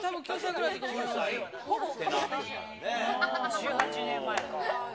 １８年前か。